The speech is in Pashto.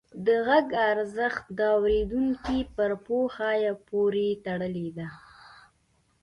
د غږ ارزښت د اورېدونکي پر پوهه پورې تړلی دی.